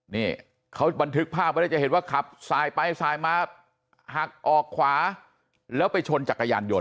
นี่เขาบันทึกภาพไว้ได้จะเห็นว่าขับสายไปสายมาหักออกขวาแล้วไปชนจักรยานยนต